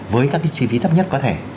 với các cái chi phí thấp nhất có thể